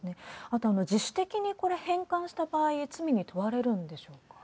あと、自主的に返還した場合、罪に問われるんでしょうか？